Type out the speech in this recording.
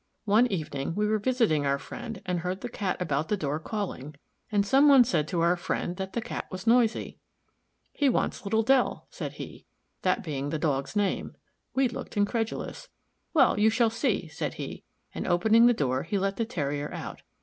One evening we were visiting our friend and heard the Cat about the door calling, and some one said to our friend that the cat was noisy. "He wants little Dell," said he that being the Dog's name; we looked incredulous. "Well, you shall see," said he, and opening the door he let the Terrier out.